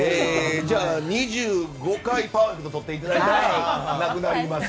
じゃあ２５回パーフェクト取っていただいたらなくなります。